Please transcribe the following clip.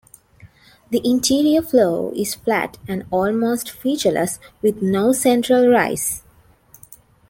The interior floor is flat and almost featureless, with no central rise.